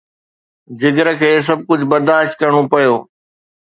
جگر کي سڀ ڪجهه برداشت ڪرڻو پيو.